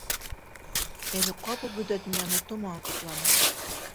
Әле ҡапыл бөтә донъяны томан ҡапланы.